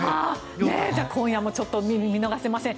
じゃあ今夜も見逃せません。